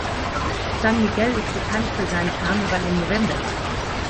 San Miguel ist bekannt für seinen Karneval im November.